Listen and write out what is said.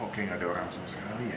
oke nggak ada orang sama sekali ya